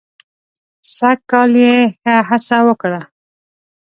سږ کال یې ښه هڅه وکړه.